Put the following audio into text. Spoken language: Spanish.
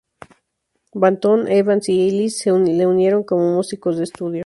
Banton, Evans y Ellis se le unieron como músicos de estudio.